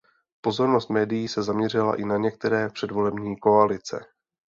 Pozornost médií se zaměřila i na některé předvolební koalice.